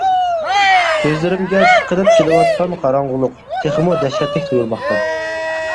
كۆزلىرىمگە تىقىلىپ كېلىۋاتقان قاراڭغۇلۇق، تېخىمۇ دەھشەتلىك تۇيۇلماقتا.